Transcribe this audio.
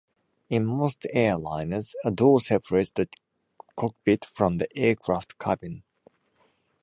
In most airliners, a door separates the cockpit from the aircraft cabin.